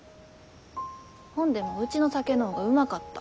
ほんでもうちの酒の方がうまかった。